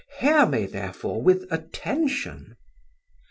Hear me, therefore, with attention.